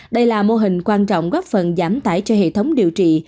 đây là mô hình quan trọng góp phần giảm tải cho hệ thống điều trị